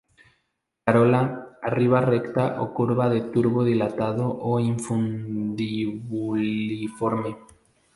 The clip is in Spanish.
Corola, arriba recta o curva de tubo dilatado o infundibuliforme.